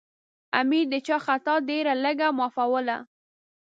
امیر د چا خطا ډېره لږه معافوله.